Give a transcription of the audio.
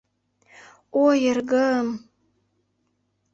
Ой, эргым!